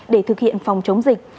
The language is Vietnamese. để thực hiện phòng chống dịch